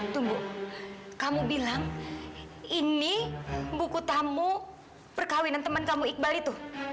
tunggu kamu bilang ini buku tamu perkawinan teman kamu iqbal itu